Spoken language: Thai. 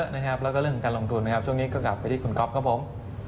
แล้วก็เรื่องของการลงทุนนะครับช่วงนี้ก็กลับไปที่คุณก๊อฟครับผม